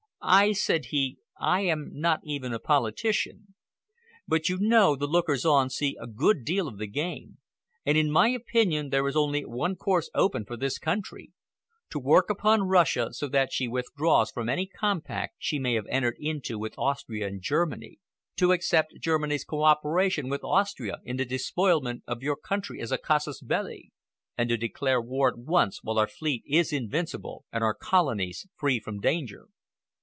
"I," said he,—"I am not even a politician. But, you know, the lookers on see a good deal of the game, and in my opinion there is only one course open for this country,—to work upon Russia so that she withdraws from any compact she may have entered into with Austria and Germany, to accept Germany's cooperation with Austria in the despoilment of your country as a casus belli, and to declare war at once while our fleet is invincible and our Colonies free from danger."